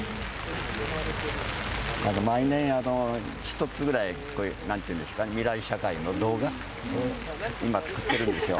毎年一つぐらい、なんていうんですか、未来社会の動画、今、作ってるんですよ。